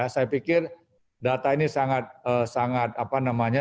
saya pikir data ini sangat penting